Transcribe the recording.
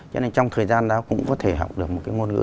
cho nên trong thời gian đó cũng có thể học được một cái ngôn ngữ